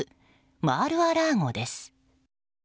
マール・ア・ラーゴです。